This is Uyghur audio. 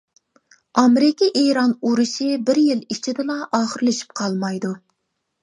ئامېرىكا ئىران ئۇرۇشى بىر يىل ئىچىدىلا ئاخىرلىشىپ قالمايدۇ.